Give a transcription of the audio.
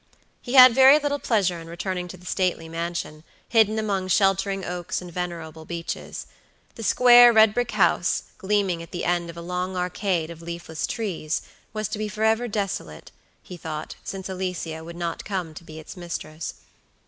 He had very little pleasure in returning to the stately mansion, hidden among sheltering oaks and venerable beeches. The square, red brick house, gleaming at the end of a long arcade of leafless trees was to be forever desolate, he thought, since Alicia would not come to be its mistress.